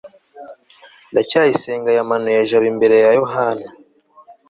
ndacyayisenga yamanuye jabo imbere ya yohana